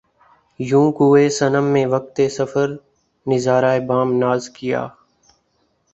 یوں کوئے صنم میں وقت سفر نظارۂ بام ناز کیا